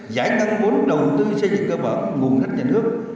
giải ngăn vốn đầu tư xây dựng cơ bản nguồn nách nhà nước